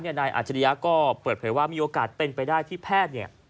นายอัจฉริยาก็เปิดเผยว่ามีโอกาสเป็นไปได้ที่แพทย์